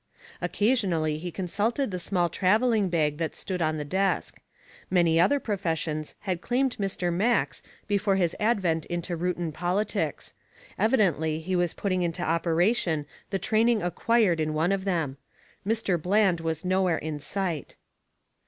Occasionally he consulted the small traveling bag that stood on the desk. Many other professions had claimed Mr. Max before his advent into Reuton politics; evidently he was putting into operation the training acquired in one of them. Mr. Bland was nowhere in sight.